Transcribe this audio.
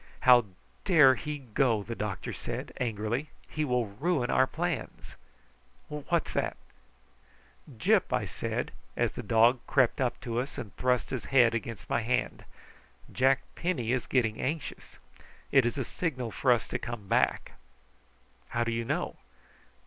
"How dare he go!" the doctor said angrily. "He will ruin our plans! What's that?" "Gyp!" I said, as the dog crept up to us and thrust his head against my hand. "Jack Penny is getting anxious. It is a signal for us to come back." "How do you know?"